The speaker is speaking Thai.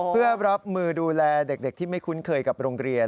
เพื่อรับมือดูแลเด็กที่ไม่คุ้นเคยกับโรงเรียน